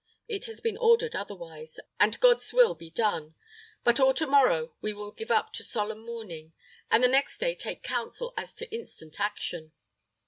It has been ordered otherwise, and God's will be done. But all to morrow we will give up to solemn mourning, and the next day take counsel as to instant action."